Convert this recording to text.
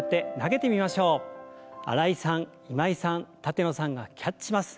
新井さん今井さん舘野さんがキャッチします。